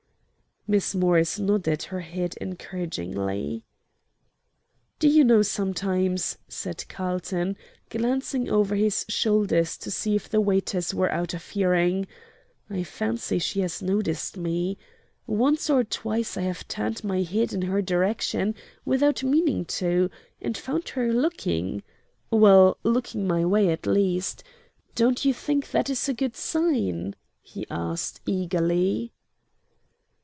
Miss Morris nodded her head encouragingly. "Do you know, sometimes," said Carlton, glancing over his shoulders to see if the waiters were out of hearing, "I fancy she has noticed me. Once or twice I have turned my head in her direction without meaning to, and found her looking well, looking my way, at least. Don't you think that is a good sign?" he asked, eagerly.